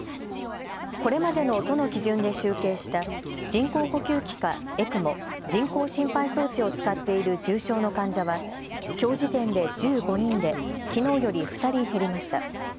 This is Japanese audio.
これまでの都の基準で集計した人工呼吸器かＥＣＭＯ・人工心肺装置を使っている重症の患者はきょう時点で１５人できのうより２人減りました。